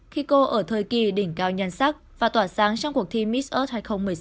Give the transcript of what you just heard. khi cô ở thời kỳ đỉnh cao nhân sắc và tỏa sáng trong cuộc thi miss earth hai nghìn một mươi sáu